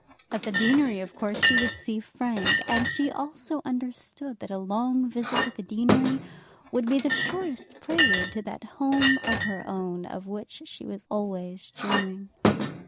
At the deanery of course she would see Frank; and she also understood that a long visit to the deanery would be the surest prelude to that home of her own of which she was always dreaming.